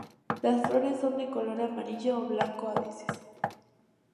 Las flores son de color amarillo o blanco a veces.